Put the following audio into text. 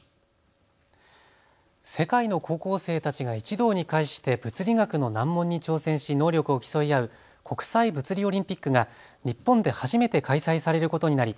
世界の高校生たちが一堂に会して物理学の難問に挑戦し能力を競い合う国際物理オリンピックが日本で初めて開催されることになり